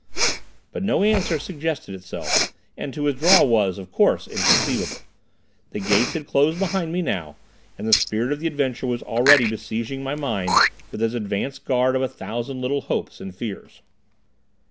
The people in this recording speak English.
But no answer suggested itself, and to withdraw was, of course, inconceivable. The gates had closed behind me now, and the spirit of the adventure was already besieging my mind with its advance guard of a thousand little hopes and fears.